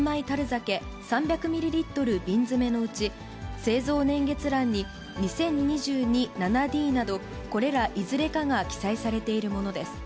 樽酒３００ミリリットル瓶詰のうち、製造年月欄に、２０２２．７Ｄなど、これらいずれかが記載されているものです。